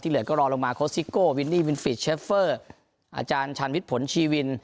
เหลือก็รอลงมาโค้ชซิโก้วินนี่วินฟิตเชฟเฟอร์อาจารย์ชาญวิทย์ผลชีวิน